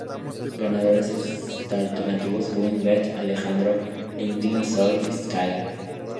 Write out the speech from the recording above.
Ganadores Alternativos: Gwen, Beth, Alejandro, Lightning, Zoey y Sky.